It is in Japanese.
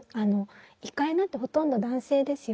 医会なんてほとんど男性ですよ。